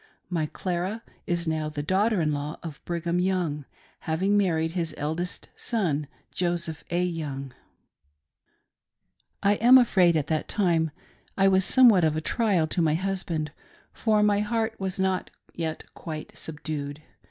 My Clara is now the daughter in law of Brigham Young, having married his eldest son, Joseph A. Young. 144 TEACHING POLYGAMV. I am afraid at that time I was somewhat" of a trial to my' husband, for my heart was not yet quite subdued.